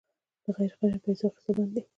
د غیرقانوني پیسو اخیستل بند دي؟